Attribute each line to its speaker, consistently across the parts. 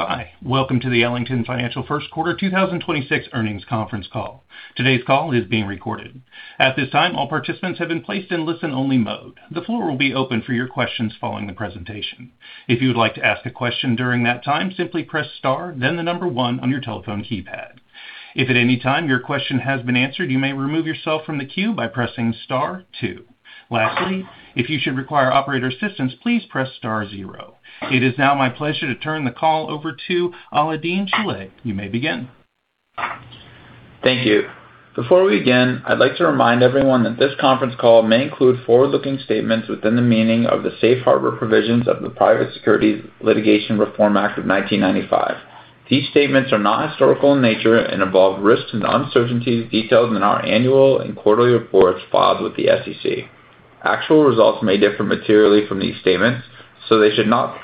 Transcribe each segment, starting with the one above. Speaker 1: Good morning. Welcome to the Ellington Financial First Quarter 2026 Earnings Conference Call. Today's call is being recorded. At this time, all participants have been placed in listen-only mode. The floor will be open for your questions following the presentation. If you would like to ask a question during that time, simply press Star, then the number one on your telephone keypad. If at any time your question has been answered, you may remove yourself from the queue by pressing Star two. Lastly, if you should require operator assistance, please press Star zero. It is now my pleasure to turn the call over to Alaael-Deen Shilleh. You may begin.
Speaker 2: Thank you. Before we begin, I'd like to remind everyone that this conference call may include forward-looking statements within the meaning of the Safe Harbor Provisions of the Private Securities Litigation Reform Act of 1995. These statements are not historical in nature and involve risks and uncertainties detailed in our annual and quarterly reports filed with the SEC. Actual results may differ materially from these statements, so they should not be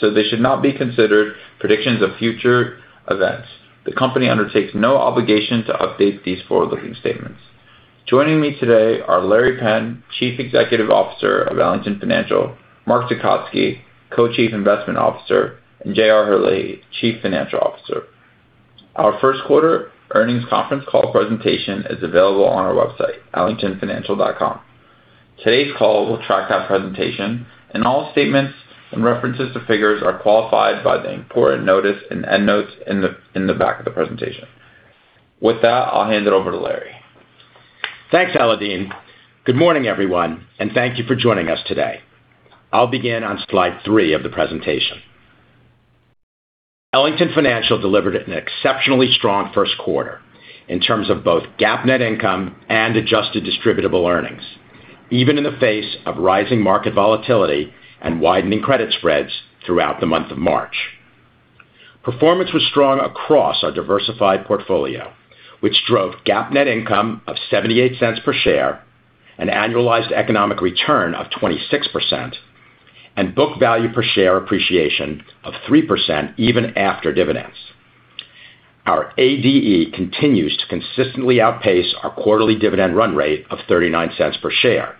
Speaker 2: considered predictions of future events. The company undertakes no obligation to update these forward-looking statements. Joining me today are Larry Penn, Chief Executive Officer of Ellington Financial, Mark Tecotzky, Co-Chief Investment Officer, and JR Herlihy, Chief Financial Officer. Our first quarter earnings conference call presentation is available on our website, ellingtonfinancial.com. Today's call will track that presentation and all statements and references to figures are qualified by the important notice and end notes in the back of the presentation. With that, I'll hand it over to Larry.
Speaker 3: Thanks, Alaael-Deen. Good morning, everyone, thank you for joining us today. I'll begin on slide three of the presentation. Ellington Financial delivered an exceptionally strong first quarter in terms of both GAAP net income and adjusted distributable earnings, even in the face of rising market volatility and widening credit spreads throughout the month of March. Performance was strong across our diversified portfolio, which drove GAAP net income of $0.78 per share, an annualized economic return of 26%, and book value per share appreciation of 3% even after dividends. Our ADE continues to consistently outpace our quarterly dividend run rate of $0.39 per share.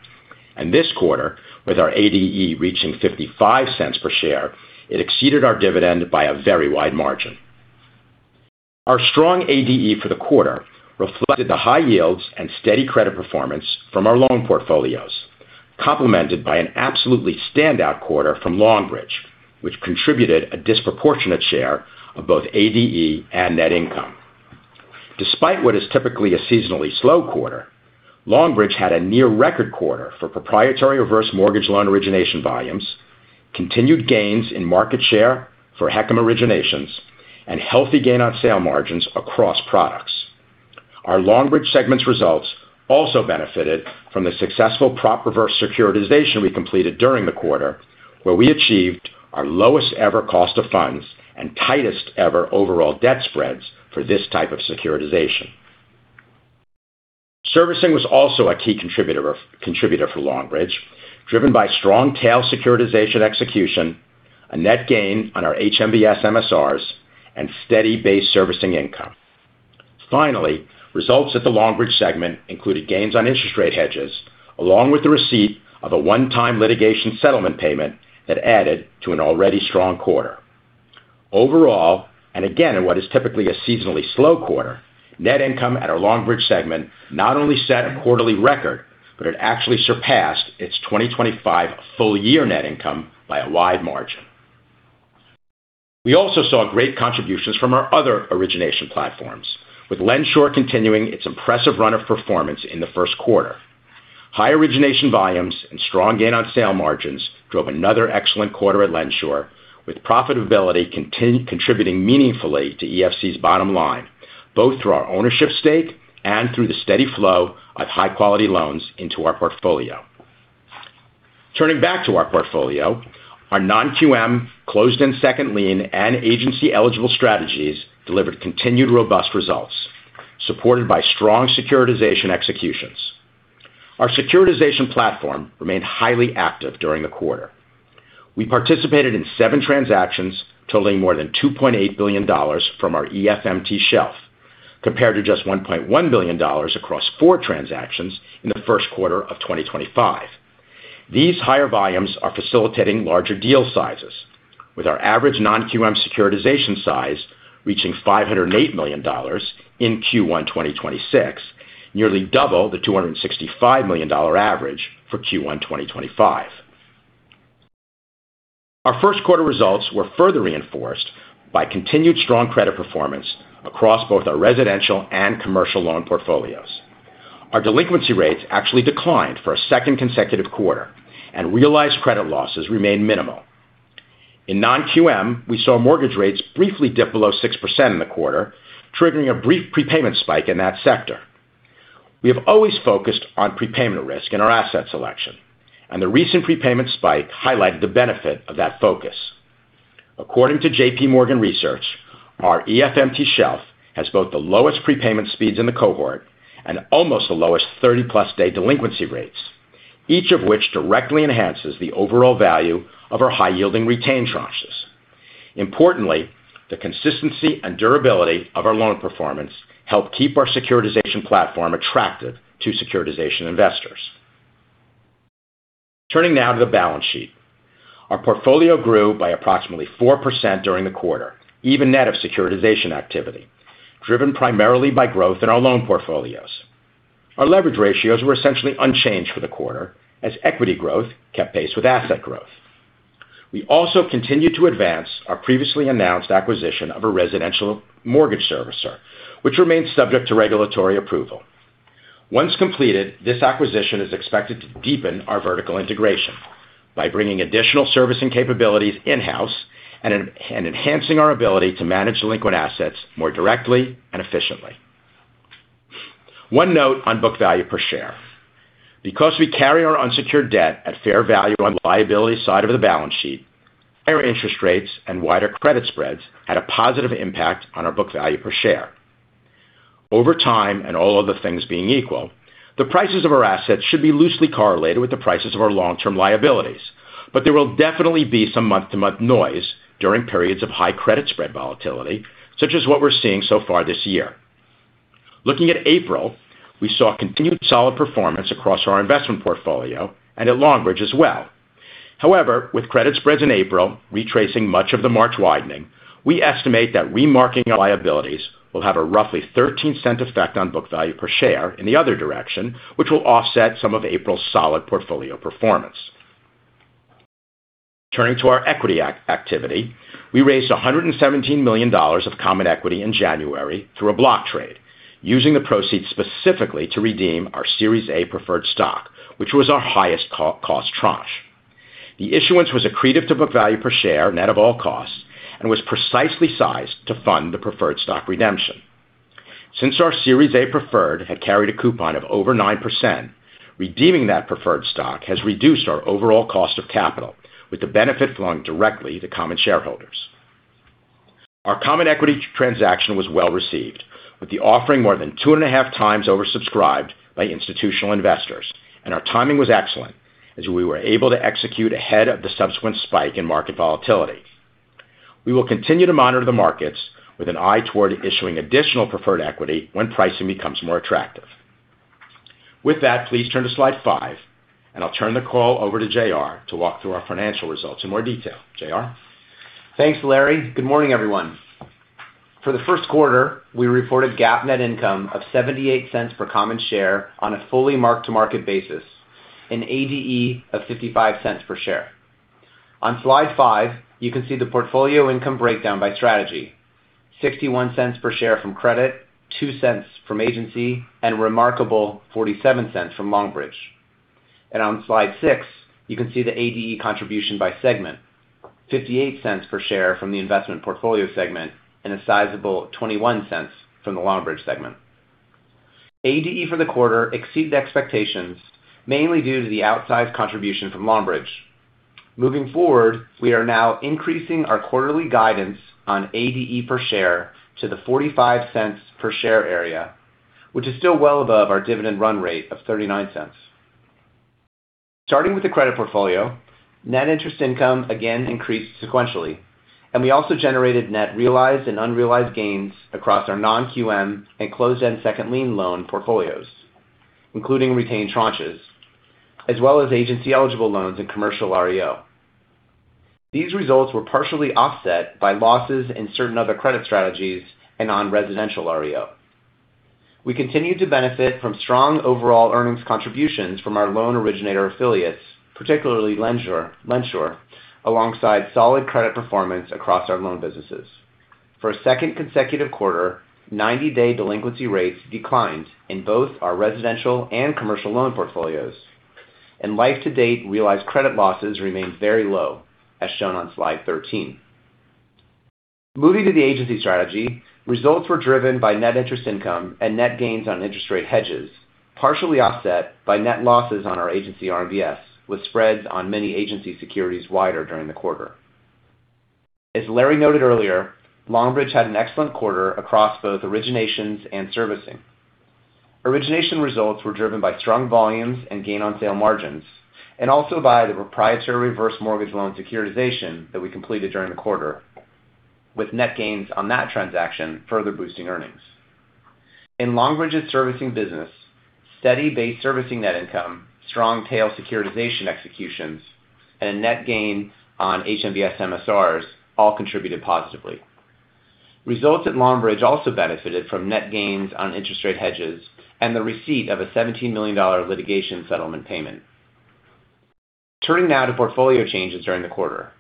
Speaker 3: This quarter, with our ADE reaching $0.55 per share, it exceeded our dividend by a very wide margin. Our strong ADE for the quarter reflected the high yields and steady credit performance from our loan portfolios, complemented by an absolutely standout quarter from Longbridge, which contributed a disproportionate share of both ADE and net income. Despite what is typically a seasonally slow quarter, Longbridge had a near record quarter for proprietary reverse mortgage loan origination volumes, continued gains in market share for HECM originations, and healthy gain on sale margins across products. Our Longbridge segment's results also benefited from the successful prop reverse securitization we completed during the quarter, where we achieved our lowest ever cost of funds and tightest ever overall debt spreads for this type of securitization. Servicing was also a key contributor for Longbridge, driven by strong tail securitization execution, a net gain on our HMBS MSRs, and steady base servicing income. Finally, results at the Longbridge segment included gains on interest rate hedges, along with the receipt of a one-time litigation settlement payment that added to an already strong quarter. Overall, again, in what is typically a seasonally slow quarter, net income at our Longbridge segment not only set a quarterly record, but it actually surpassed its 2025 full year net income by a wide margin. We also saw great contributions from our other origination platforms, with LendSure continuing its impressive run of performance in the first quarter. High origination volumes and strong gain on sale margins drove another excellent quarter at LendSure, with profitability contributing meaningfully to EFC's bottom line, both through our ownership stake and through the steady flow of high-quality loans into our portfolio. Turning back to our portfolio, our non-QM, closed-end second lien, and agency-eligible strategies delivered continued robust results, supported by strong securitization executions. Our securitization platform remained highly active during the quarter. We participated in seven transactions totaling more than $2.8 billion from our EFMT shelf, compared to just $1.1 billion across four transactions in the first quarter of 2025. These higher volumes are facilitating larger deal sizes, with our average non-QM securitization size reaching $508 million in Q1 2026, nearly double the $265 million average for Q1 2025. Our first quarter results were further reinforced by continued strong credit performance across both our residential and commercial loan portfolios. Our delinquency rates actually declined for a second consecutive quarter and realized credit losses remain minimal. In non-QM, we saw mortgage rates briefly dip below 6% in the quarter, triggering a brief prepayment spike in that sector. We have always focused on prepayment risk in our asset selection, and the recent prepayment spike highlighted the benefit of that focus. According to J.P. Morgan Research, our EFMT shelf has both the lowest prepayment speeds in the cohort and almost the lowest 30+ day delinquency rates, each of which directly enhances the overall value of our high-yielding retained tranches. Importantly, the consistency and durability of our loan performance help keep our securitization platform attractive to securitization investors. Turning now to the balance sheet. Our portfolio grew by approximately 4% during the quarter, even net of securitization activity, driven primarily by growth in our loan portfolios. Our leverage ratios were essentially unchanged for the quarter as equity growth kept pace with asset growth. We also continued to advance our previously announced acquisition of a residential mortgage servicer, which remains subject to regulatory approval. Once completed, this acquisition is expected to deepen our vertical integration by bringing additional servicing capabilities in-house and enhancing our ability to manage delinquent assets more directly and efficiently. One note on book value per share. Because we carry our unsecured debt at fair value on the liability side of the balance sheet, higher interest rates and wider credit spreads had a positive impact on our book value per share. Over time, and all other things being equal, the prices of our assets should be loosely correlated with the prices of our long-term liabilities, but there will definitely be some month-to-month noise during periods of high credit spread volatility, such as what we're seeing so far this year. Looking at April, we saw continued solid performance across our investment portfolio and at Longbridge as well. With credit spreads in April retracing much of the March widening, we estimate that remarking our liabilities will have a roughly $0.13 effect on book value per share in the other direction, which will offset some of April's solid portfolio performance. Turning to our equity activity. We raised $117 million of common equity in January through a block trade, using the proceeds specifically to redeem our Series A preferred stock, which was our highest cost tranche. The issuance was accretive to book value per share net of all costs and was precisely sized to fund the preferred stock redemption. Since our Series A preferred had carried a coupon of over 9%, redeeming that preferred stock has reduced our overall cost of capital with the benefit flowing directly to common shareholders. Our common equity transaction was well-received, with the offering more than 2.5x oversubscribed by institutional investors, and our timing was excellent as we were able to execute ahead of the subsequent spike in market volatility. We will continue to monitor the markets with an eye toward issuing additional preferred equity when pricing becomes more attractive. With that, please turn to slide five, and I'll turn the call over to JR to walk through our financial results in more detail. JR?
Speaker 4: Thanks, Larry. Good morning, everyone. For the first quarter, we reported GAAP net income of $0.78 per common share on a fully mark-to-market basis, an ADE of $0.55 per share. On slide five, you can see the portfolio income breakdown by strategy, $0.61 per share from credit, $0.02 from agency, and a remarkable $0.47 from Longbridge. On slide six, you can see the ADE contribution by segment, $0.58 per share from the investment portfolio segment and a sizable $0.21 from the Longbridge segment. ADE for the quarter exceeded expectations, mainly due to the outsized contribution from Longbridge. Moving forward, we are now increasing our quarterly guidance on ADE per share to the $0.45 per share area, which is still well above our dividend run rate of $0.39. Starting with the credit portfolio, net interest income again increased sequentially, and we also generated net realized and unrealized gains across our non-QM and closed-end second lien loan portfolios, including retained tranches, as well as agency-eligible loans and commercial REO. These results were partially offset by losses in certain other credit strategies and non-residential REO. We continued to benefit from strong overall earnings contributions from our loan originator affiliates, particularly LendSure, alongside solid credit performance across our loan businesses. For a second consecutive quarter, 90-day delinquency rates declined in both our residential and commercial loan portfolios. Life to date, realized credit losses remained very low, as shown on slide 13. Moving to the agency strategy, results were driven by net interest income and net gains on interest rate hedges, partially offset by net losses on our agency RMBS, with spreads on many agency securities wider during the quarter. As Larry noted earlier, Longbridge had an excellent quarter across both originations and servicing. Origination results were driven by strong volumes and gain on sale margins, and also by the proprietary reverse mortgage loan securitization that we completed during the quarter, with net gains on that transaction further boosting earnings. In Longbridge's servicing business, steady base servicing net income, strong tail securitization executions, and net gains on HMBS MSRs all contributed positively. Results at Longbridge also benefited from net gains on interest rate hedges and the receipt of a $17 million litigation settlement payment. Turning now to portfolio changes during the quarter.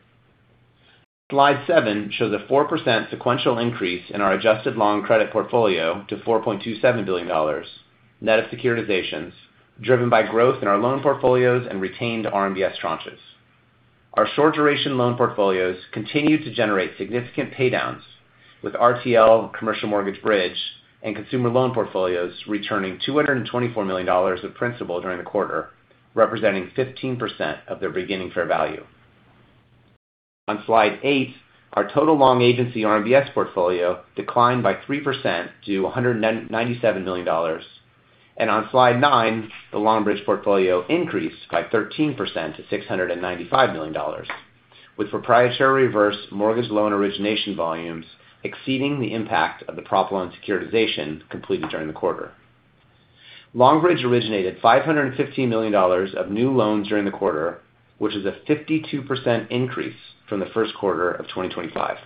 Speaker 4: Slide seven shows a 4% sequential increase in our adjusted long credit portfolio to $4.27 billion, net of securitizations, driven by growth in our loan portfolios and retained RMBS tranches. Our short duration loan portfolios continued to generate significant paydowns with RTL, Commercial Mortgage Bridge, and consumer loan portfolios returning $224 million of principal during the quarter, representing 15% of their beginning fair value. On slide eight, our total long agency RMBS portfolio declined by 3% to $197 million. On slide nine, the Longbridge portfolio increased by 13% to $695 million, with proprietary reverse mortgage loan origination volumes exceeding the impact of the prop loan securitization completed during the quarter. Longbridge originated $550 million of new loans during the quarter, which is a 52% increase from the first quarter of 2025.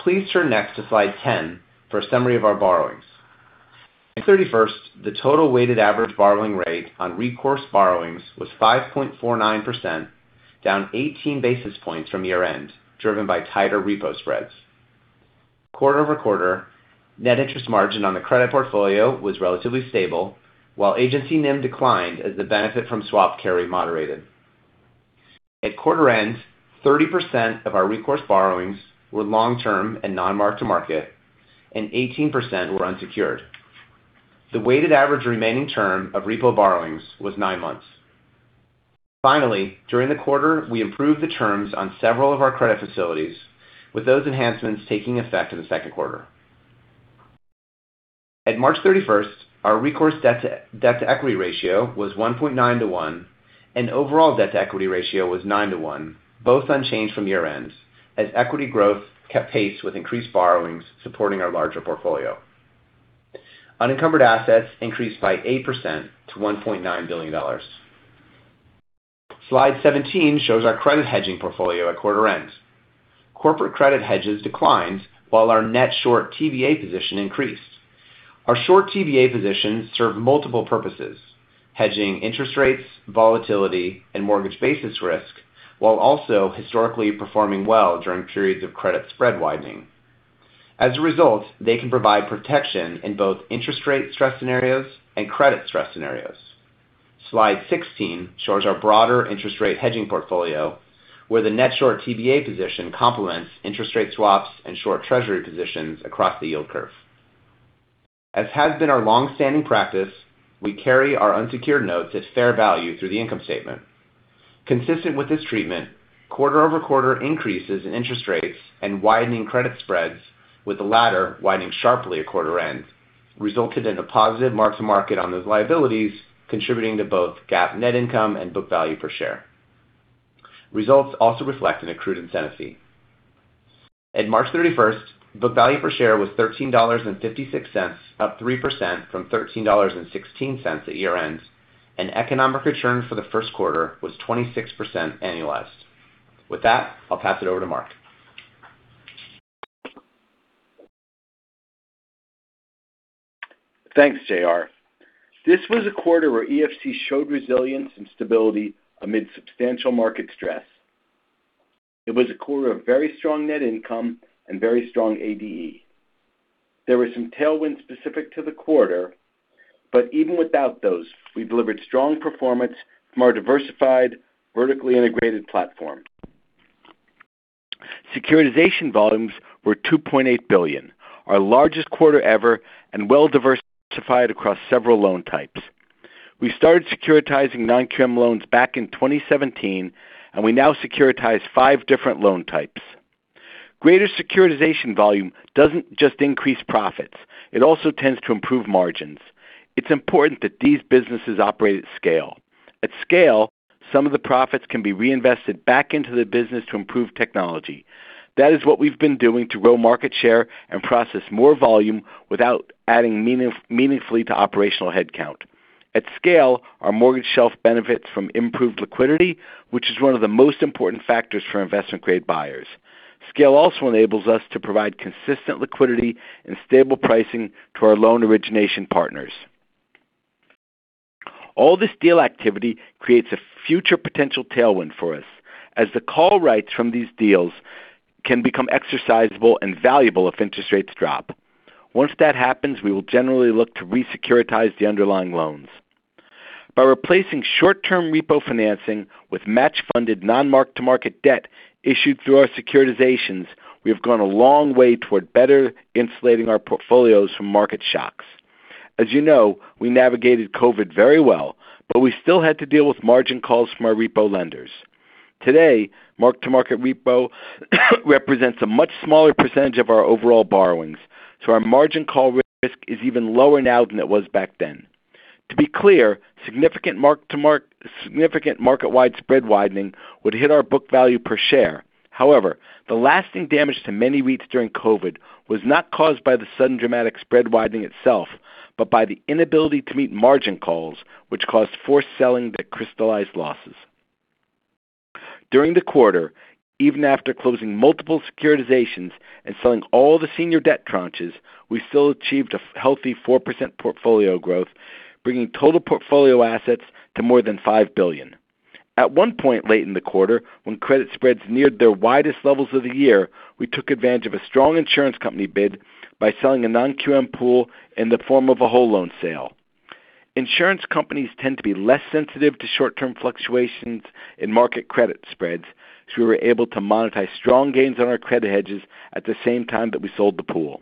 Speaker 4: Please turn next to slide 10 for a summary of our borrowings. 31st, the total weighted average borrowing rate on recourse borrowings was 5.49%, down 18 basis points from year-end, driven by tighter repo spreads. Quarter-over-quarter, net interest margin on the credit portfolio was relatively stable, while agency NIM declined as the benefit from swap carry moderated. At quarter end, 30% of our recourse borrowings were long-term and non-mark-to-market, and 18% were unsecured. The weighted average remaining term of repo borrowings was nine months. Finally, during the quarter, we improved the terms on several of our credit facilities, with those enhancements taking effect in the second quarter. At March 31st, our recourse debt to equity ratio was 1.9x to 1x, and overall debt to equity ratio was 9x to 1x, both unchanged from year-ends, as equity growth kept pace with increased borrowings supporting our larger portfolio. Unencumbered assets increased by 8% to $1.9 billion. Slide 17 shows our credit hedging portfolio at quarter end. Corporate credit hedges declines while our net short TBA position increased. Our short TBA positions serve multiple purposes: hedging interest rates, volatility, and mortgage basis risk, while also historically performing well during periods of credit spread widening. As a result, they can provide protection in both interest rate stress scenarios and credit stress scenarios. Slide 16 shows our broader interest rate hedging portfolio, where the net short TBA position complements interest rate swaps and short treasury positions across the yield curve. As has been our long-standing practice, we carry our unsecured notes at fair value through the income statement. Consistent with this treatment, quarter-over-quarter increases in interest rates and widening credit spreads with the latter widening sharply at quarter end resulted in a positive mark-to-market on those liabilities, contributing to both GAAP net income and book value per share. Results also reflect an accrued incentive fee. At March 31st, book value per share was $13.56, up 3% from $13.16 at year-end, and economic return for the first quarter was 26% annualized. With that, I'll pass it over to Mark.
Speaker 5: Thanks, JR. This was a quarter where EFC showed resilience and stability amid substantial market stress. It was a quarter of very strong net income and very strong ADE. There were some tailwinds specific to the quarter, but even without those, we've delivered strong performance from our diversified, vertically integrated platform. Securitization volumes were $2.8 billion, our largest quarter ever and well diversified across several loan types. We started securitizing non-QM loans back in 2017, and we now securitize five different loan types. Greater securitization volume doesn't just increase profits, it also tends to improve margins. It's important that these businesses operate at scale. At scale, some of the profits can be reinvested back into the business to improve technology. That is what we've been doing to grow market share and process more volume without adding meaningfully to operational headcount. At scale, our mortgage shelf benefits from improved liquidity, which is one of the most important factors for investment-grade buyers. Scale also enables us to provide consistent liquidity and stable pricing to our loan origination partners. All this deal activity creates a future potential tailwind for us, as the call rights from these deals can become exercisable and valuable if interest rates drop. Once that happens, we will generally look to re-securitize the underlying loans. By replacing short-term repo financing with match-funded non-mark-to-market debt issued through our securitizations, we have gone a long way toward better insulating our portfolios from market shocks. As you know, we navigated COVID very well, but we still had to deal with margin calls from our repo lenders. Today, mark-to-market repo represents a much smaller percentage of our overall borrowings, so our margin call risk is even lower now than it was back then. To be clear, significant market-wide spread widening would hit our book value per share. However, the lasting damage to many REITs during COVID was not caused by the sudden dramatic spread widening itself, but by the inability to meet margin calls which caused forced selling that crystallized losses. During the quarter, even after closing multiple securitizations and selling all the senior debt tranches, we still achieved a healthy 4% portfolio growth, bringing total portfolio assets to more than $5 billion. At one point late in the quarter, when credit spreads neared their widest levels of the year, we took advantage of a strong insurance company bid by selling a non-QM pool in the form of a whole loan sale. Insurance companies tend to be less sensitive to short-term fluctuations in market credit spreads, we were able to monetize strong gains on our credit hedges at the same time that we sold the pool.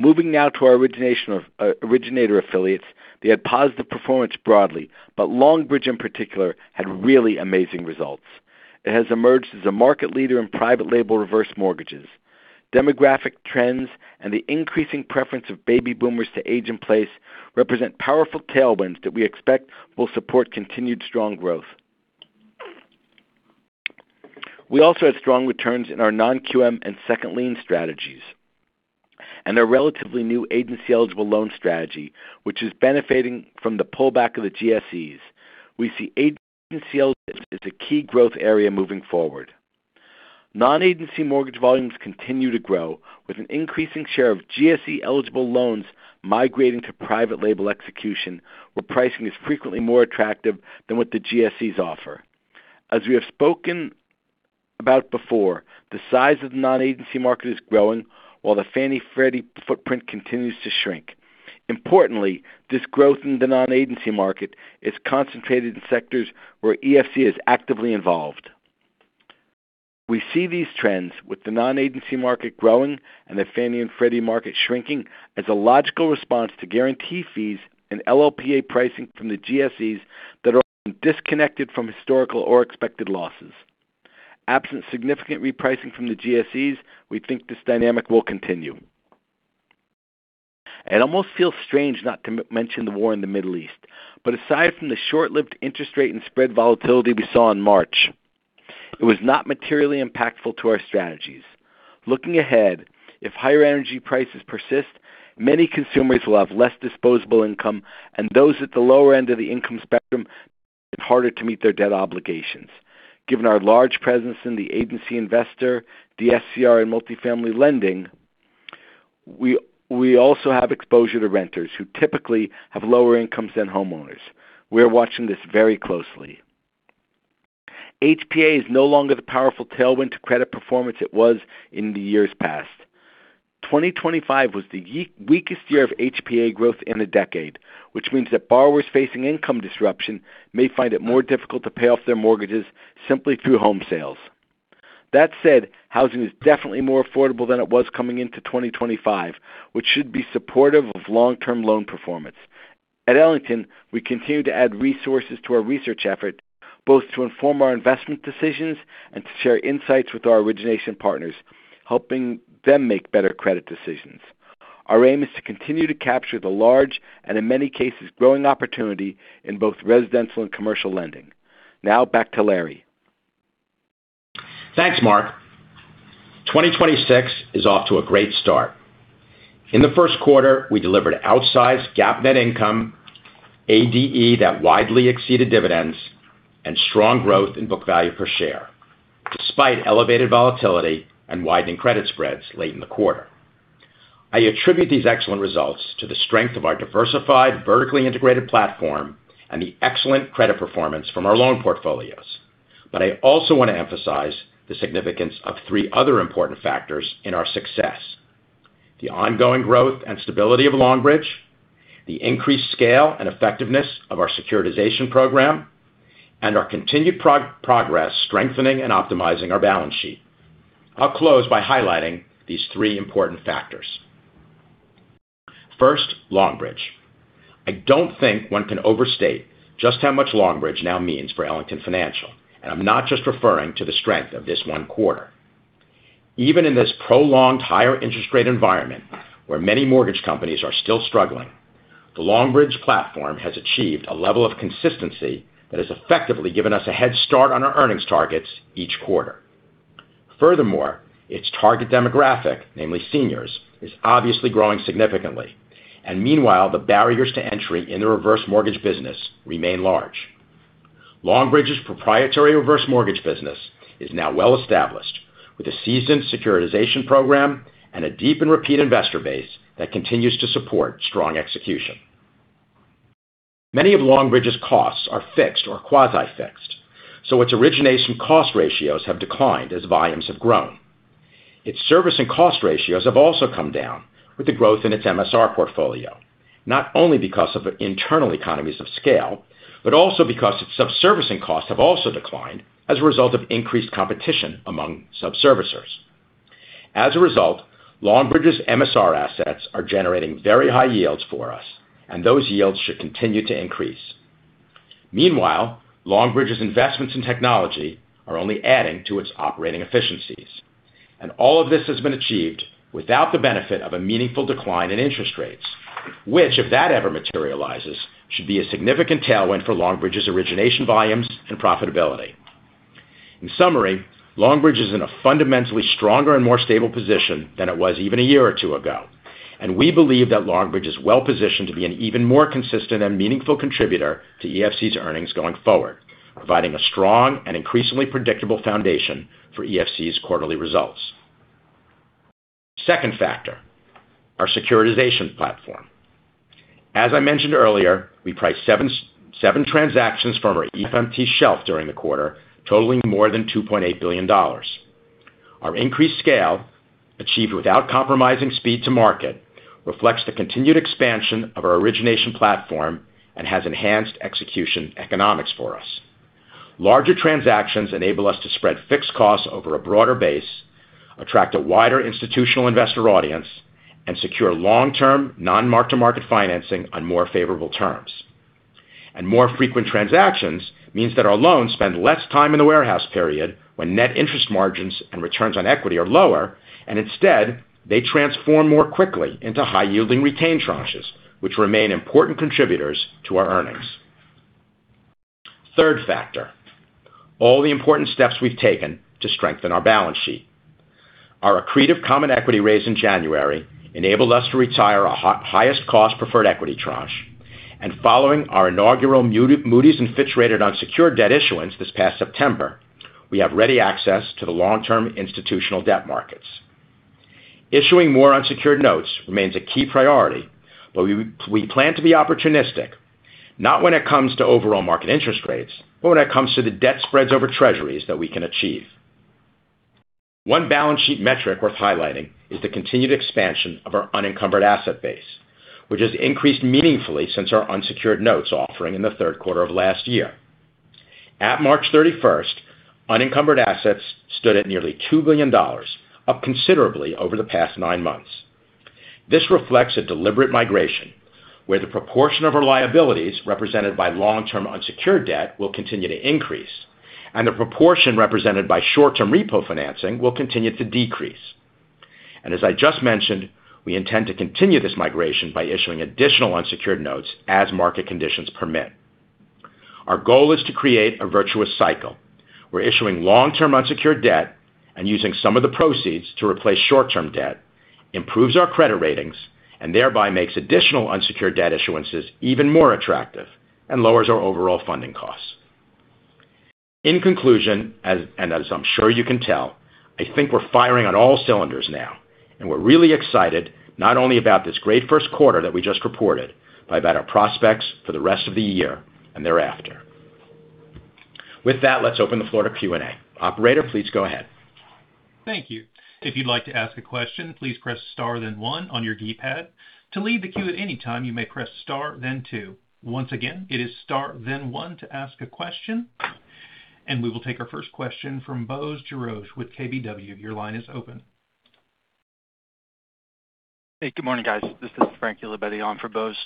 Speaker 5: Moving now to our origination of originator affiliates, they had positive performance broadly, but Longbridge in particular had really amazing results. It has emerged as a market leader in private label reverse mortgages. Demographic trends and the increasing preference of baby boomers to age in place represent powerful tailwinds that we expect will support continued strong growth. We also had strong returns in our non-QM and second lien strategies and a relatively new agency-eligible loan strategy, which is benefiting from the pullback of the GSEs. We see agency eligible as a key growth area moving forward. Non-agency mortgage volumes continue to grow with an increasing share of GSE-eligible loans migrating to private label execution, where pricing is frequently more attractive than what the GSEs offer. As we have spoken about before, the size of the non-agency market is growing while the Fannie Freddie footprint continues to shrink. Importantly, this growth in the non-agency market is concentrated in sectors where EFC is actively involved. We see these trends with the non-agency market growing and the Fannie and Freddie market shrinking as a logical response to guarantee fees and LLPA pricing from the GSEs that are disconnected from historical or expected losses. Absent significant repricing from the GSEs, we think this dynamic will continue. It almost feels strange not to mention the war in the Middle East. Aside from the short-lived interest rate and spread volatility we saw in March, it was not materially impactful to our strategies. Looking ahead, if higher energy prices persist, many consumers will have less disposable income, and those at the lower end of the income spectrum find it harder to meet their debt obligations. Given our large presence in the agency investor, DSCR, and multifamily lending, we also have exposure to renters who typically have lower incomes than homeowners. We are watching this very closely. HPA is no longer the powerful tailwind to credit performance it was in the years past. 2025 was the weakest year of HPA growth in a decade, which means that borrowers facing income disruption may find it more difficult to pay off their mortgages simply through home sales. That said, housing is definitely more affordable than it was coming into 2025, which should be supportive of long-term loan performance. At Ellington, we continue to add resources to our research effort, both to inform our investment decisions and to share insights with our origination partners, helping them make better credit decisions. Our aim is to continue to capture the large, and in many cases, growing opportunity in both residential and commercial lending. Back to Larry.
Speaker 3: Thanks, Mark. 2026 is off to a great start. In the first quarter, we delivered outsized GAAP net income, ADE that widely exceeded dividends, and strong growth in book value per share, despite elevated volatility and widening credit spreads late in the quarter. I attribute these excellent results to the strength of our diversified, vertically integrated platform and the excellent credit performance from our loan portfolios. I also want to emphasize the significance of three other important factors in our success. The ongoing growth and stability of Longbridge, the increased scale and effectiveness of our securitization program, and our continued progress strengthening and optimizing our balance sheet. I'll close by highlighting these three important factors. First, Longbridge. I don't think one can overstate just how much Longbridge now means for Ellington Financial, and I'm not just referring to the strength of this one quarter. Even in this prolonged higher interest rate environment, where many mortgage companies are still struggling, the Longbridge platform has achieved a level of consistency that has effectively given us a head start on our earnings targets each quarter. Its target demographic, namely seniors, is obviously growing significantly, and meanwhile, the barriers to entry in the reverse mortgage business remain large. Longbridge's proprietary reverse mortgage business is now well established with a seasoned securitization program and a deep and repeat investor base that continues to support strong execution. Many of Longbridge's costs are fixed or quasi-fixed, so its origination cost ratios have declined as volumes have grown. Its service and cost ratios have also come down with the growth in its MSR portfolio, not only because of internal economies of scale, but also because its sub-servicing costs have also declined as a result of increased competition among sub-servicers. As a result, Longbridge's MSR assets are generating very high yields for us, and those yields should continue to increase. Meanwhile, Longbridge's investments in technology are only adding to its operating efficiencies. All of this has been achieved without the benefit of a meaningful decline in interest rates, which, if that ever materializes, should be a significant tailwind for Longbridge's origination volumes and profitability. In summary, Longbridge is in a fundamentally stronger and more stable position than it was even a year or two ago, and we believe that Longbridge is well-positioned to be an even more consistent and meaningful contributor to EFC's earnings going forward, providing a strong and increasingly predictable foundation for EFC's quarterly results. Second factor, our securitization platform. As I mentioned earlier, we priced seven transactions from our EFMT shelf during the quarter, totaling more than $2.8 billion. Our increased scale, achieved without compromising speed to market, reflects the continued expansion of our origination platform and has enhanced execution economics for us. Larger transactions enable us to spread fixed costs over a broader base, attract a wider institutional investor audience and secure long-term non-mark-to-market financing on more favorable terms. More frequent transactions means that our loans spend less time in the warehouse period when net interest margins and returns on equity are lower, and instead, they transform more quickly into high-yielding retained tranches, which remain important contributors to our earnings. Third factor, all the important steps we've taken to strengthen our balance sheet. Our accretive common equity raise in January enabled us to retire our highest cost preferred equity tranche. Following our inaugural Moody's and Fitch rated unsecured debt issuance this past September, we have ready access to the long-term institutional debt markets. Issuing more unsecured notes remains a key priority, but we plan to be opportunistic, not when it comes to overall market interest rates, but when it comes to the debt spreads over treasuries that we can achieve. One balance sheet metric worth highlighting is the continued expansion of our unencumbered asset base, which has increased meaningfully since our unsecured notes offering in the third quarter of last year. At March 31st, unencumbered assets stood at nearly $2 billion, up considerably over the past nine months. This reflects a deliberate migration where the proportion of our liabilities represented by long-term unsecured debt will continue to increase, and the proportion represented by short-term repo financing will continue to decrease. As I just mentioned, we intend to continue this migration by issuing additional unsecured notes as market conditions permit. Our goal is to create a virtuous cycle, where issuing long-term unsecured debt and using some of the proceeds to replace short-term debt improves our credit ratings and thereby makes additional unsecured debt issuances even more attractive and lowers our overall funding costs. In conclusion, as I'm sure you can tell, I think we're firing on all cylinders now, and we're really excited not only about this great first quarter that we just reported, but about our prospects for the rest of the year and thereafter. With that, let's open the floor to Q&A. Operator, please go ahead.
Speaker 1: Thank you. If you'd like to ask a question, please press Star then one on your keypad. To leave the queue at any time, you may press Star then two. Once again, it is Star then one to ask a question. We will take our first question from Bose George with KBW. Your line is open.
Speaker 6: Hey, good morning, guys. This is Frankie Labetti on for Bose.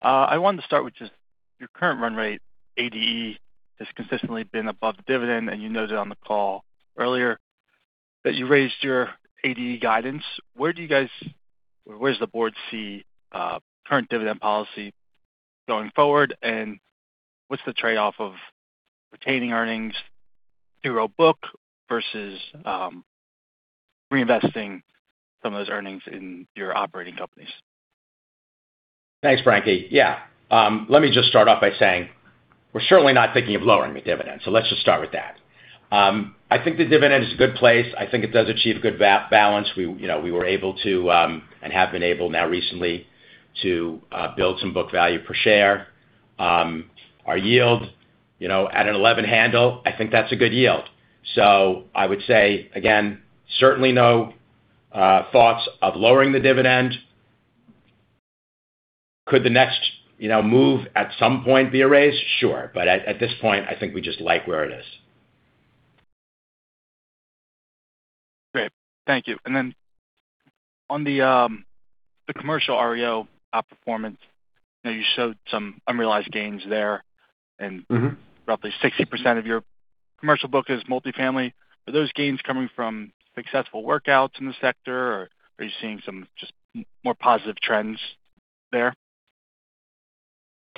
Speaker 6: I wanted to start with just your current run rate ADE has consistently been above the dividend, and you noted on the call earlier that you raised your ADE guidance. Where does the board see current dividend policy going forward, and what's the trade-off of retaining earnings to grow book versus reinvesting some of those earnings in your operating companies?
Speaker 3: Thanks, Frankie. Let me just start off by saying we're certainly not thinking of lowering the dividend. Let's just start with that. I think the dividend is a good place. I think it does achieve good balance. We, you know, we were able to, and have been able now recently to build some book value per share. Our yield, you know, at an 11 handle, I think that's a good yield. I would say, again, certainly no thoughts of lowering the dividend. Could the next, you know, move at some point be a raise? Sure. At this point, I think we just like where it is.
Speaker 6: Great. Thank you. Then on the commercial REO outperformance, I know you showed some unrealized gains there. Roughly 60% of your commercial book is multifamily. Are those gains coming from successful workouts in the sector, or are you seeing some just more positive trends there?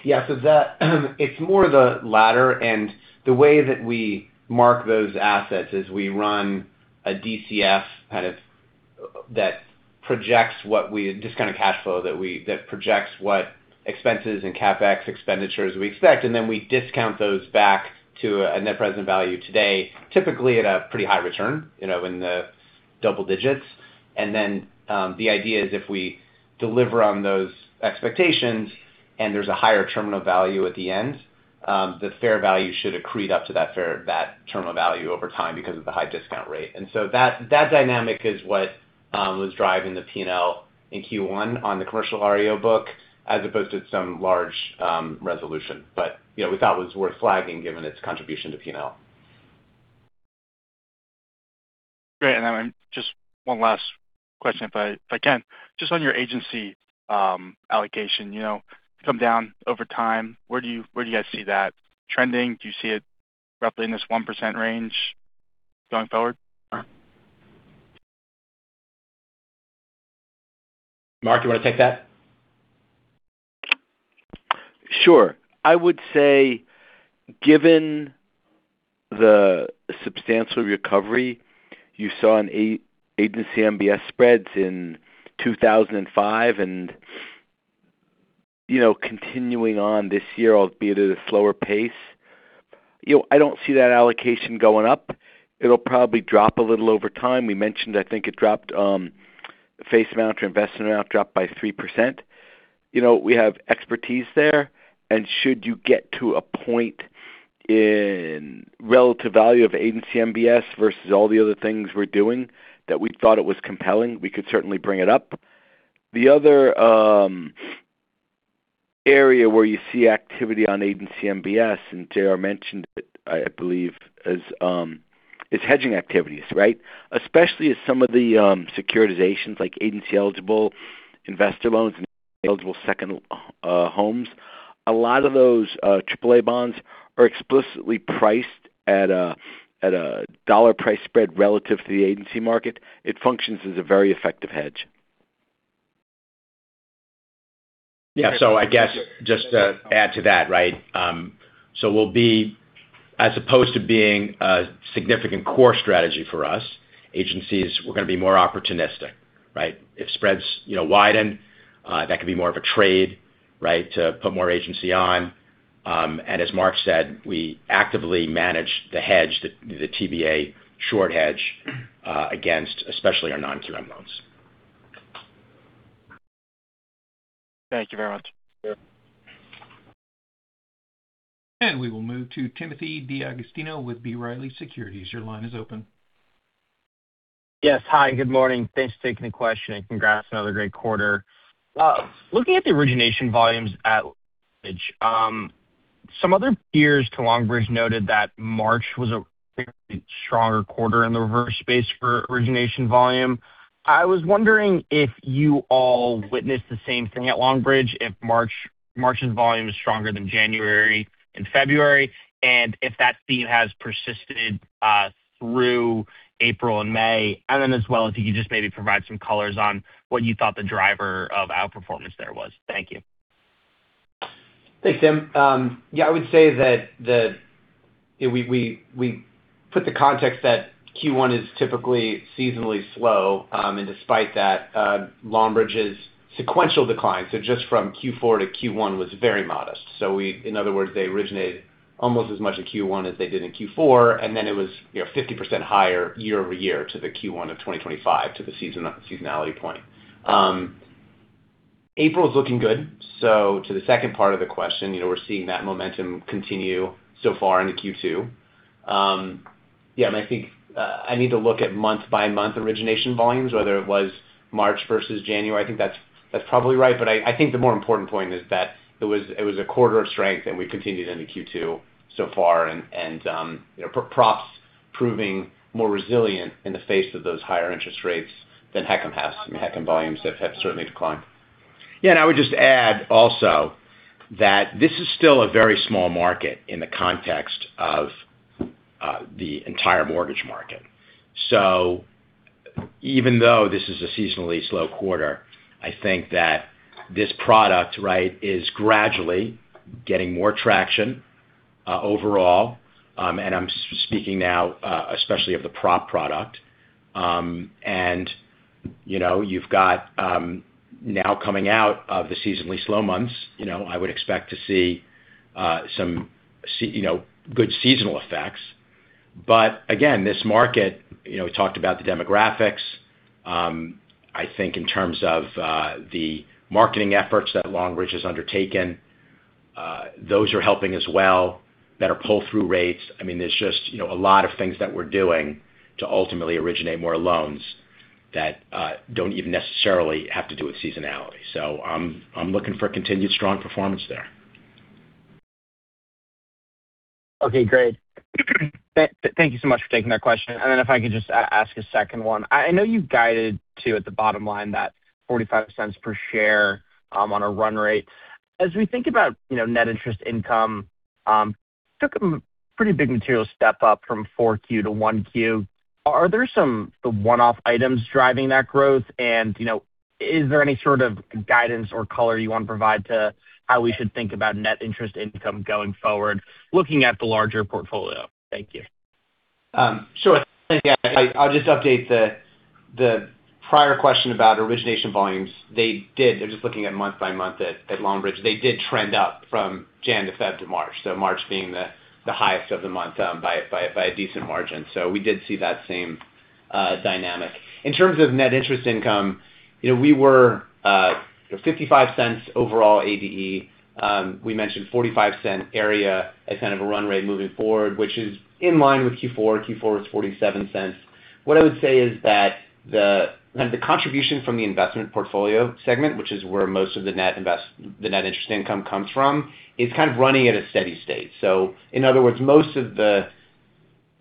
Speaker 3: It's more the latter. The way that we mark those assets is we run a DCF discounted cash flow that projects what expenses and CapEx expenditures we expect, and then we discount those back to a net present value today, typically at a pretty high return, you know, in the double digits. The idea is if we deliver on those expectations and there's a higher terminal value at the end, the fair value should accrete up to that terminal value over time because of the high discount rate. That dynamic is what was driving the P&L in Q1 on the commercial REO book, as opposed to some large resolution. You know, we thought it was worth flagging given its contribution to P&L.
Speaker 6: Great. Just one last question, if I can. Just on your agency allocation, you know, come down over time, where do you guys see that trending? Do you see it roughly in this 1% range going forward?
Speaker 3: Mark, you wanna take that?
Speaker 5: Sure. I would say given the substantial recovery you saw in agency MBS spreads in 2005 and, you know, continuing on this year, albeit at a slower pace, you know, I don't see that allocation going up. It'll probably drop a little over time. We mentioned, I think it dropped, face amount or investment amount dropped by 3%. You know, we have expertise there. Should you get to a point in relative value of agency MBS versus all the other things we're doing that we thought it was compelling, we could certainly bring it up. The other Area where you see activity on agency MBS, and JR mentioned it, I believe is hedging activities, right? Especially as some of the securitizations like agency-eligible investor loans and eligible second homes. A lot of those, AAA bonds are explicitly priced at a dollar price spread relative to the agency market. It functions as a very effective hedge.
Speaker 3: Yeah. I guess just to add to that, right? We'll be as opposed to being a significant core strategy for us, agencies, we're going to be more opportunistic, right? If spreads, you know, widen, that could be more of a trade, right, to put more agency on. As Mark said, we actively manage the hedge, the TBA short hedge, against especially our non-QM loans.
Speaker 6: Thank you very much.
Speaker 1: We will move to Timothy D'Agostino with B. Riley Securities. Your line is open.
Speaker 7: Yes. Hi, good morning. Thanks for taking the question. Congrats on another great quarter. Looking at the origination volumes at Longbridge, some other peers to Longbridge noted that March was a fairly stronger quarter in the reverse space for origination volume. I was wondering if you all witnessed the same thing at Longbridge, if March's volume is stronger than January and February, and if that theme has persisted through April and May. As well, if you could just maybe provide some colors on what you thought the driver of outperformance there was. Thank you.
Speaker 4: Thanks, Tim. Yeah, I would say that we put the context that Q1 is typically seasonally slow, and despite that, Longbridge's sequential decline, just from Q4 to Q1 was very modest. In other words, they originated almost as much in Q1 as they did in Q4, then it was, you know, 50% higher year-over-year to the Q1 of 2025 to the seasonality point. April is looking good. To the second part of the question, you know, we're seeing that momentum continue so far into Q2. I think I need to look at month-by-month origination volumes, whether it was March versus January. I think that's probably right. I think the more important point is that it was a quarter of strength, and we continued into Q2 so far and, you know, props proving more resilient in the face of those higher interest rates than HECM has. I mean, HECM volumes have certainly declined.
Speaker 3: Yeah. I would just add also that this is still a very small market in the context of the entire mortgage market. Even though this is a seasonally slow quarter, I think that this product, right, is gradually getting more traction overall. And I'm speaking now, especially of the prop product. And, you know, you've got now coming out of the seasonally slow months, you know, I would expect to see some good seasonal effects. Again, this market, you know, we talked about the demographics. I think in terms of the marketing efforts that Longbridge Financial has undertaken, those are helping as well. Better pull-through rates. I mean, there's just, you know, a lot of things that we're doing to ultimately originate more loans that don't even necessarily have to do with seasonality. I'm looking for continued strong performance there.
Speaker 7: Okay, great. Thank you so much for taking that question. If I could just ask a second one. I know you guided to at the bottom line that $0.45 per share on a run rate. As we think about, you know, net interest income, took a pretty big material step up from 4Q to 1Q. Are there some one-off items driving that growth? You know, is there any sort of guidance or color you want to provide to how we should think about net interest income going forward, looking at the larger portfolio? Thank you.
Speaker 4: Sure. I'll just update the prior question about origination volumes. They did. They're just looking at month-by-month at Longbridge. They did trend up from January to February to March. March being the highest of the month by a decent margin. We did see that same dynamic. In terms of net interest income, you know, we were $0.55 overall ADE. We mentioned $0.45 area as kind of a run rate moving forward, which is in line with Q4. Q4 was $0.47. What I would say is that the contribution from the investment portfolio segment, which is where most of the net interest income comes from, is kind of running at a steady state. In other words, most of the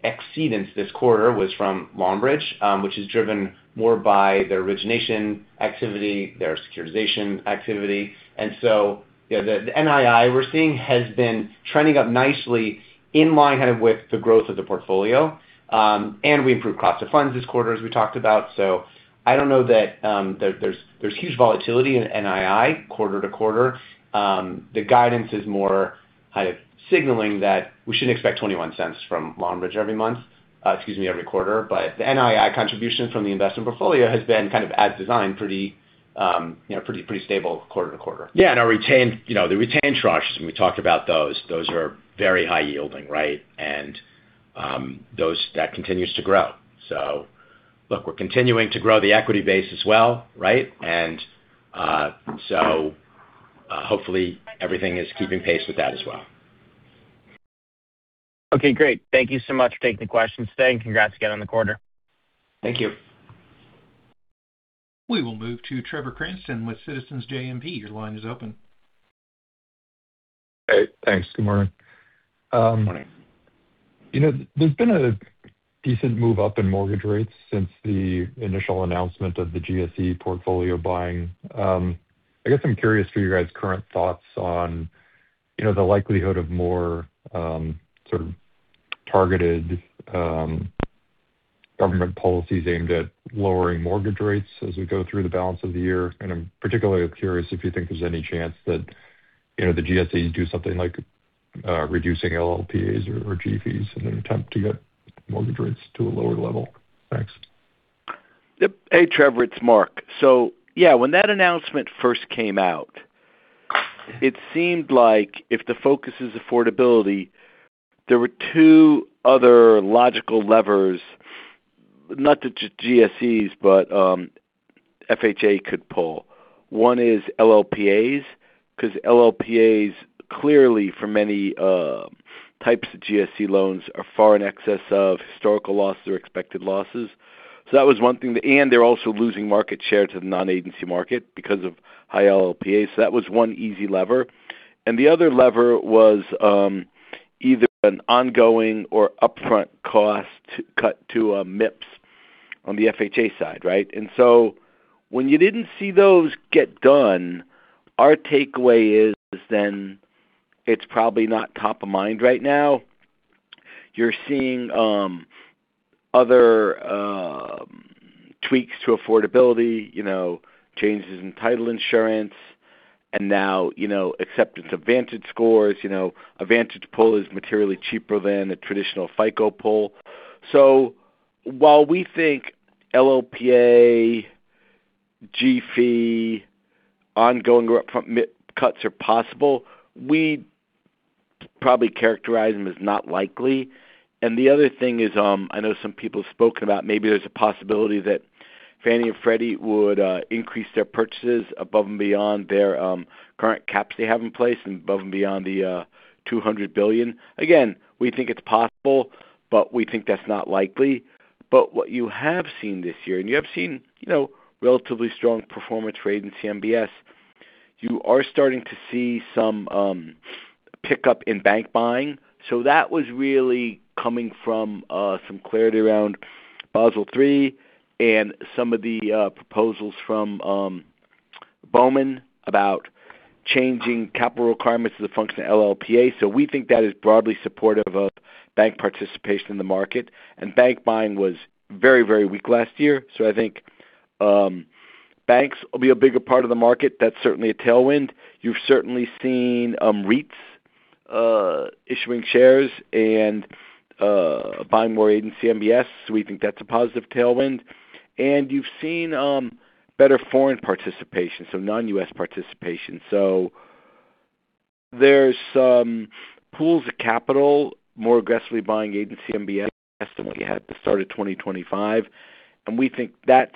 Speaker 4: exceedance this quarter was from Longbridge, which is driven more by their origination activity, their securitization activity. You know, the NII we're seeing has been trending up nicely in line kind of with the growth of the portfolio. We improved cost of funds this quarter, as we talked about. I don't know that there's huge volatility in NII quarter to quarter. The guidance is more kind of signaling that we shouldn't expect $0.21 from Longbridge every month, excuse me, every quarter. The NII contribution from the investment portfolio has been kind of as designed pretty, you know, stable quarter to quarter.
Speaker 3: Our retained, you know, the retained tranches, and we talked about those are very high yielding, right? That continues to grow. Look, we're continuing to grow the equity base as well, right? Hopefully everything is keeping pace with that as well.
Speaker 7: Okay, great. Thank you so much for taking the questions today, and congrats again on the quarter.
Speaker 4: Thank you.
Speaker 1: We will move to Trevor Cranston with Citizens JMP. Your line is open.
Speaker 8: Hey, thanks. Good morning.
Speaker 5: Good morning.
Speaker 8: You know, there's been a decent move up in mortgage rates since the initial announcement of the GSE portfolio buying. I guess I'm curious for your guys' current thoughts on, you know, the likelihood of more, sort of targeted, government policies aimed at lowering mortgage rates as we go through the balance of the year. I'm particularly curious if you think there's any chance that, you know, the GSE do something like reducing LLPAs or G-fees in an attempt to get mortgage rates to a lower level. Thanks.
Speaker 5: Yep. Hey, Trevor, it's Mark. Yeah, when that announcement first came out, it seemed like if the focus is affordability, there were two other logical levers, not the GSEs, but FHA could pull. One is LLPAs, 'cause LLPAs clearly for many types of GSE loans are far in excess of historical loss or expected losses. That was one thing. They're also losing market share to the non-agency market because of high LLPA. That was one easy lever. The other lever was either an ongoing or upfront cost cut to MIPs on the FHA side, right? When you didn't see those get done, our takeaway is it's probably not top of mind right now. You're seeing other tweaks to affordability, you know, changes in title insurance and now, you know, acceptance of VantageScore. You know, a Vantage pull is materially cheaper than a traditional FICO pull. While we think LLPA, G fee, ongoing or upfront MIP cuts are possible, we'd probably characterize them as not likely. The other thing is, I know some people have spoken about maybe there's a possibility that Fannie and Freddie would increase their purchases above and beyond their current caps they have in place and above and beyond the $200 billion. Again, we think it's possible, we think that's not likely. What you have seen this year, and you have seen, you know, relatively strong performance rate in CMBS, you are starting to see some pickup in bank buying. That was really coming from some clarity around Basel III and some of the proposals from Bowman about changing capital requirements as a function of LLPA. We think that is broadly supportive of bank participation in the market. Bank buying was very, very weak last year. I think banks will be a bigger part of the market. That's certainly a tailwind. You've certainly seen REITs issuing shares and buying more agency MBS. We think that's a positive tailwind. You've seen better foreign participation, so non-U.S. participation. There's some pools of capital more aggressively buying agency MBS than we had at the start of 2025. We think that's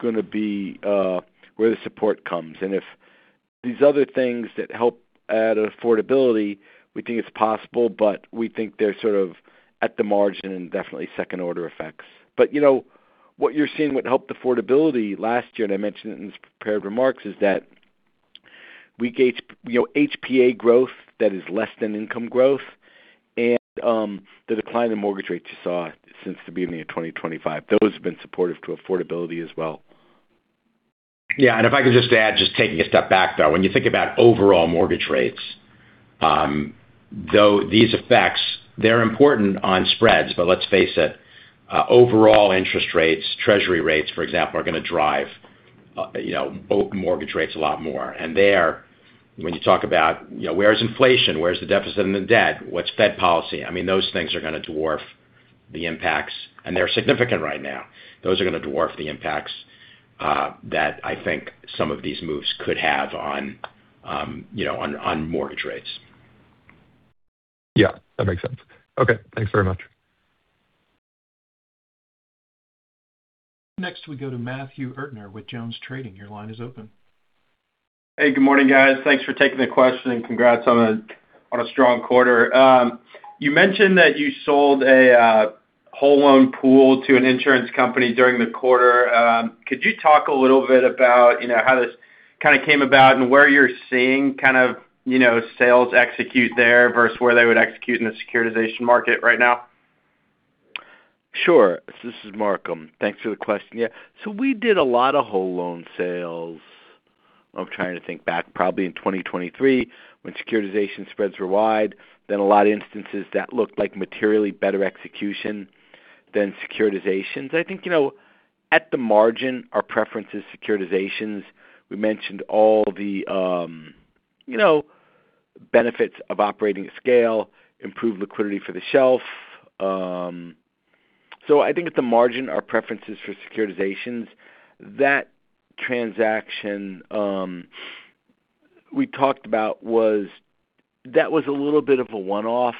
Speaker 5: gonna be where the support comes. If these other things that help add affordability, we think it's possible, but we think they're sort of at the margin and definitely second-order effects. You know, what you're seeing what helped affordability last year, and I mentioned it in these prepared remarks, is that we gauge, you know, HPA growth that is less than income growth and the decline in mortgage rates you saw since the beginning of 2025. Those have been supportive to affordability as well.
Speaker 3: Yeah. If I could just add, just taking a step back, though. When you think about overall mortgage rates, though these effects, they're important on spreads, but let's face it, overall interest rates, treasury rates, for example, are gonna drive, you know, mortgage rates a lot more. There, when you talk about, you know, where's inflation, where's the deficit and the debt, what's Fed policy? I mean, those things are gonna dwarf the impacts. They're significant right now. Those are gonna dwarf the impacts that I think some of these moves could have on, you know, on mortgage rates.
Speaker 8: Yeah, that makes sense. Okay, thanks very much.
Speaker 1: Next, we go to Matthew Erdner with JonesTrading. Your line is open.
Speaker 9: Hey, good morning, guys. Thanks for taking the question. Congrats on a strong quarter. You mentioned that you sold a whole loan pool to an insurance company during the quarter. Could you talk a little bit about, you know, how this kind of came about and where you're seeing kind of, you know, sales execute there versus where they would execute in the securitization market right now?
Speaker 5: Sure. This is Mark. Thanks for the question. Yeah. We did a lot of whole loan sales. I'm trying to think back probably in 2023 when securitization spreads were wide. A lot of instances that looked like materially better execution than securitizations. I think, you know, at the margin, our preference is securitizations. We mentioned all the, you know, benefits of operating scale, improved liquidity for the shelf. I think at the margin, our preference is for securitizations. That transaction we talked about was that was a little bit of a one-off,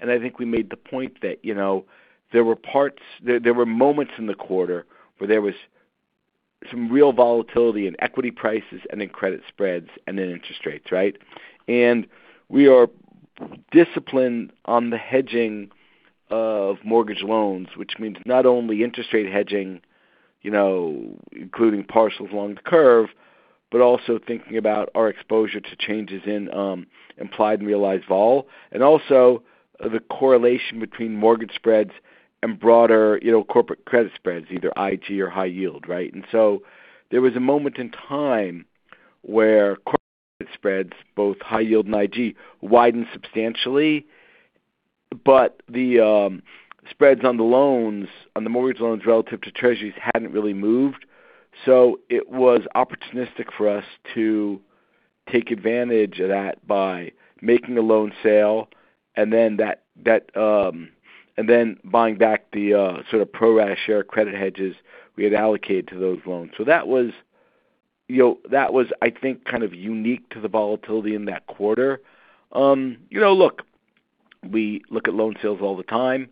Speaker 5: and I think we made the point that, you know, there were parts, there were moments in the quarter where there was some real volatility in equity prices and in credit spreads and in interest rates, right? We are disciplined on the hedging of mortgage loans, which means not only interest rate hedging, you know, including partials along the curve, but also thinking about our exposure to changes in implied and realized vol, and also the correlation between mortgage spreads and broader, you know, corporate credit spreads, either IG or high yield, right? There was a moment in time where corporate spreads, both high yield and IG, widened substantially, but the spreads on the loans, on the mortgage loans relative to treasuries hadn't really moved. It was opportunistic for us to take advantage of that by making a loan sale and then that, and then buying back the sort of pro rata share credit hedges we had allocated to those loans. That was, you know, that was, I think, kind of unique to the volatility in that quarter. You know, look, we look at loan sales all the time.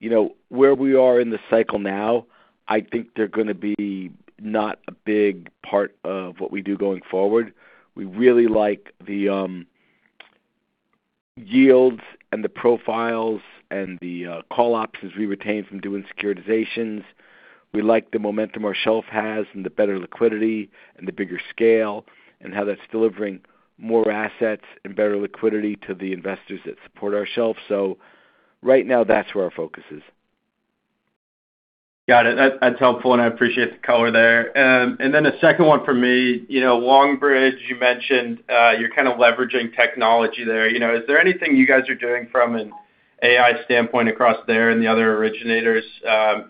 Speaker 5: You know, where we are in the cycle now, I think they're gonna be not a big part of what we do going forward. We really like the yields and the profiles and the call options we retain from doing securitizations. We like the momentum our shelf has and the better liquidity and the bigger scale and how that's delivering more assets and better liquidity to the investors that support our shelf. Right now, that's where our focus is.
Speaker 9: Got it. That's helpful, and I appreciate the color there. The second one for me, you know, Longbridge, you mentioned, you're kind of leveraging technology there. You know, is there anything you guys are doing from an AI standpoint across there and the other originators,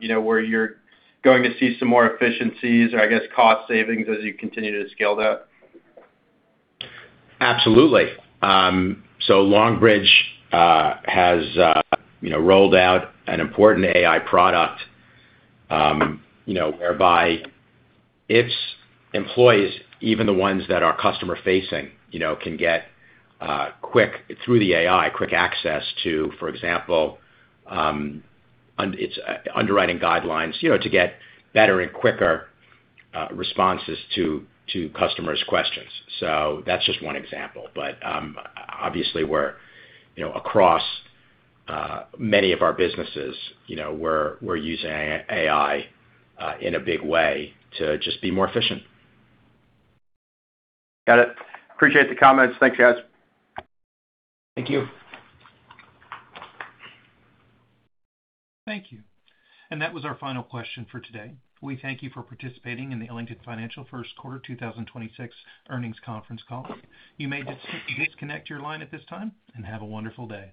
Speaker 9: you know, where you're going to see some more efficiencies or I guess cost savings as you continue to scale it up?
Speaker 3: Absolutely. Longbridge has, you know, rolled out an important AI product, you know, whereby its employees, even the ones that are customer-facing, you know, can get quick through the AI, quick access to, for example, its underwriting guidelines, you know, to get better and quicker responses to customers' questions. That's just one example. Obviously we're, you know, across many of our businesses, you know, we're using AI in a big way to just be more efficient.
Speaker 9: Got it. Appreciate the comments. Thanks, guys.
Speaker 3: Thank you.
Speaker 1: Thank you. That was our final question for today. We thank you for participating in the Ellington Financial first quarter 2026 earnings conference call. You may disconnect your line at this time, and have a wonderful day.